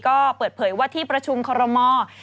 ก็เปิดเผยว่าที่ประชุมคอรมอล์